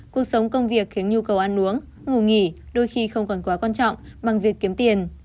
cuộc sống công việc khiến nhu cầu ăn uống ngủ nghỉ đôi khi không còn quá quan trọng bằng việc kiếm tiền